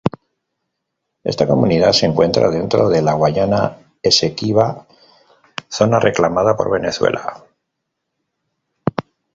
Esta comunidad se encuentra dentro de la Guayana Esequiba, zona reclamada por Venezuela.